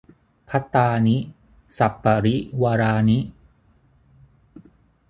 ภัตตานิ สัปปะริวารานิ